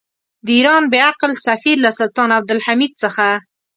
د ایران بې عقل سفیر له سلطان عبدالحمید څخه.